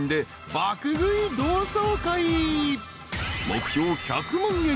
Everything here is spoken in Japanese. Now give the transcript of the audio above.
［目標１００万円。